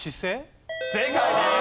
正解です。